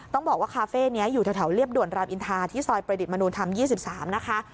ต้องบอกว่าคาเฟ่นี้อยู่แถวเรียบด่วนรามอินทาที่ซอยประดิษฐมนุนธรรม๒๓นะคะ